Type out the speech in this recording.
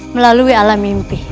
melalui alam mimpi